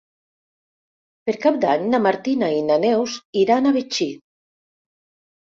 Per Cap d'Any na Martina i na Neus iran a Betxí.